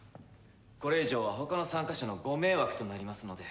これ以上は他の参加者のご迷惑となりますので。